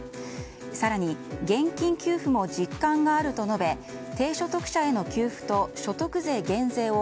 更に、現金給付も実感があると述べ低所得者への給付と所得税減税を